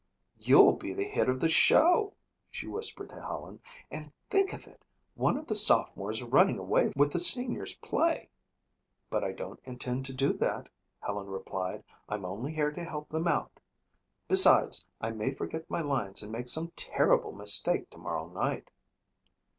"You'll be the hit of the show," she whispered to Helen. "And think of it, one of the sophomores running away with the seniors play." "But I don't intend to do that," Helen replied. "I'm only here to help them out. Besides, I may forget my lines and make some terrible mistake tomorrow night."